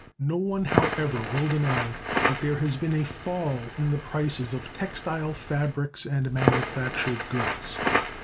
No one, however, will deny that there has been a fall in the prices of textile fabrics and manufactured goods.